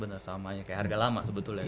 bener samanya kayak harga lama sebetulnya ya